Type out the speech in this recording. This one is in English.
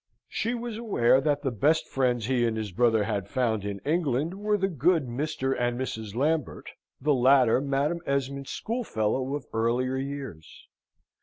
She was aware that the best friends he and his brother had found in England were the good Mr. and Mrs. Lambert, the latter Madam Esmond's schoolfellow of earlier years.